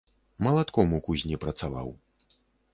Малатком у кузні працаваў.